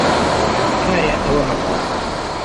تکایە ئەوە مەکڕە.